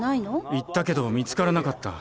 行ったけど見つからなかった。